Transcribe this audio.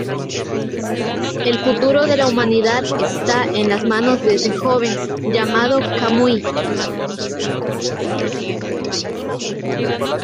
El futuro de la humanidad está en las manos de ese joven, llamado Kamui.